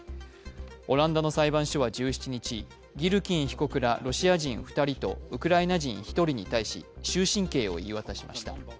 オランダの裁判所は１７日、ギルキン被告らロシア人２人とウクライナ人１人に対し、終身刑を言い渡しました。